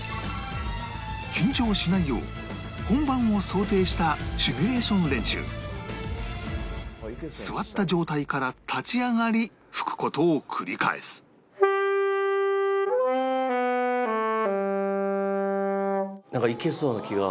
緊張しないよう本番を想定したシミュレーション練習座った状態から立ち上がり吹く事を繰り返すなんかいけそうな気が。